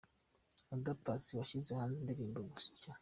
Oda Paccy washyize hanze indirimbo nshya.